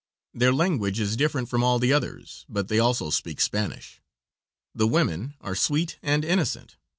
Their language is different from all the others, but they also speak Spanish. The women are sweet and innocent.